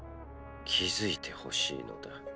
気付いてほしいのだ。